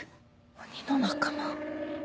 鬼の仲間？